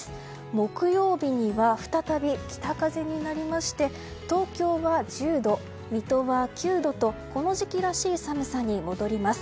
木曜日には再び北風になりまして東京は１０度水戸は９度とこの時期らしい寒さに戻ります。